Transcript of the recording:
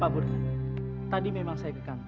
begini ijazahnya kayak ngelyang